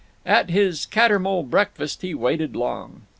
At his Cattermole breakfast he waited long.